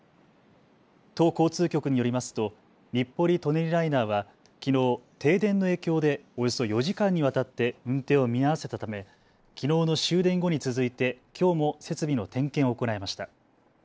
都交通局によりますと日暮里・舎人ライナーはきのう停電の影響でおよそ４時間にわたって運転を見合わせたためきのうの終電後に続いてきょうも設備の点検を行いました。